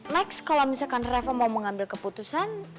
next kalau misalkan revo mau mengambil keputusan